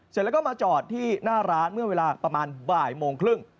เสร็จแล้วก็มาจอดที่หน้าร้านเมื่อเวลาประมาณบ่ายโมงครึ่ง